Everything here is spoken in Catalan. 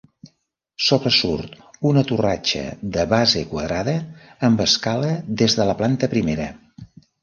Sobresurt una torratxa de base quadrada amb escala des de la planta primera.